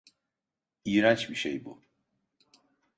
İğrenç bir şey bu.